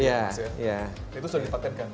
itu sudah dipaketkan